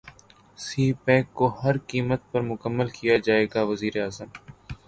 سی pack کو ہر قیمت پر مکمل کیا جائے گا وزیراعظم